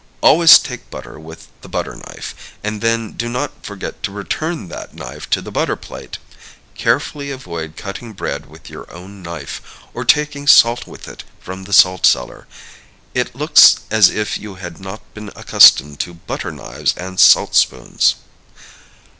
Always take butter with the butter knife, and then do not forget to return that knife to the butter plate. Carefully avoid cutting bread with your own knife, or taking salt with it from the salt cellar. It looks as if you had not been accustomed to butter knives and salt spoons.